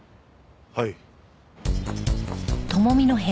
はい。